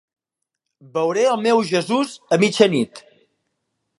Veuré el meu Jesús a mitjanit.